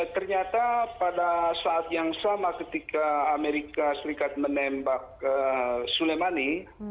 ternyata pada saat yang sama ketika amerika serikat menembak suleimani